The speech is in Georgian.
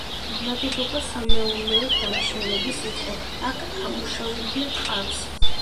ნაგებობა სამეურნეო დანიშნულების იყო, აქ ამუშავებდნენ ტყავს.